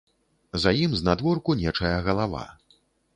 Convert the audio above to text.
За ім, знадворку, нечая галава.